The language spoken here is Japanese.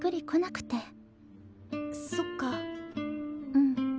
うん。